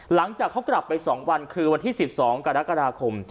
หลังจากเขากลับไป๒วันคือวันที่๑๒กรกฎาคม